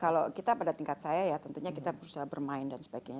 kalau kita pada tingkat saya ya tentunya kita berusaha bermain dan sebagainya